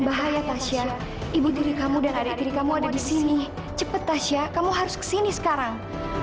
bahaya tasya ibu diri kamu dan adik diri kamu ada di sini cepet tasya kamu harus kesini sekarang